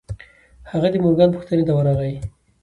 هغه د مورګان پوښتنې ته ورغی.